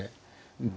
うん。